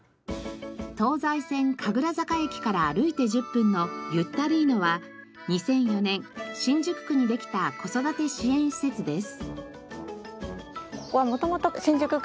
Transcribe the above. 東西線神楽坂駅から歩いて１０分のゆったりーのは２００４年新宿区にできた子育て支援施設です。